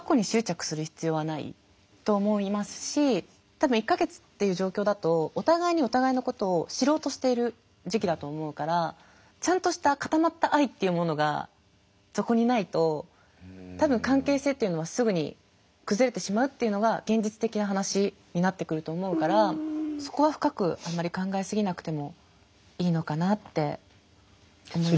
多分１か月っていう状況だとお互いにお互いのことを知ろうとしている時期だと思うからちゃんとした固まった愛っていうものがそこにないと多分関係性っていうのはすぐに崩れてしまうっていうのが現実的な話になってくると思うからそこは深くあんまり考え過ぎなくてもいいのかなって思いました。